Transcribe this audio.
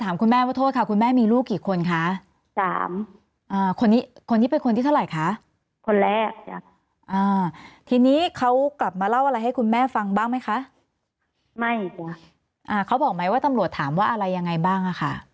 แม่ก็ไม่ได้ถามแล้วจังก็ไม่ถามหลูก